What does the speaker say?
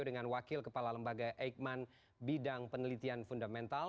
dengan wakil kepala lembaga eijkman bidang penelitian fundamental